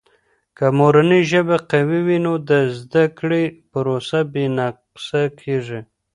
که مورنۍ ژبه قوي وي، نو د زده کړې پروسه بې نقصه کیږي.